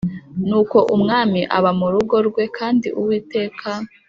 Nuko umwami aba mu rugo rwe kandi Uwiteka